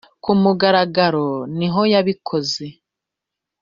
Kumugaragaro nihoyabikoze.